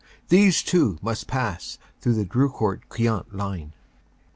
These, too, must pass through the Dro court Queant line.